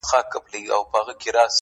په ډېر څه پوهاو مخته بوتی